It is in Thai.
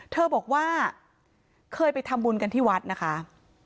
เธอบอกว่าเคยไปทำบุญกันที่วัดนะคะ